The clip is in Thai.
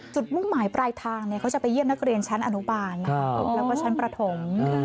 มุ่งหมายปลายทางเขาจะไปเยี่ยมนักเรียนชั้นอนุบาลแล้วก็ชั้นประถม